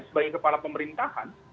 sebagai kepala pemerintahan